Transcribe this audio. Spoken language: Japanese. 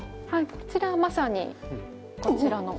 こちらまさにこちらの。